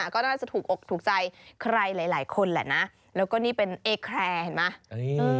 ก็น่าจะถูกอกถูกใจใครหลายคนแหละนะแล้วก็นี่เป็นเอแครเห็นไหม